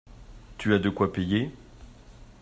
Tu as de quoi payer?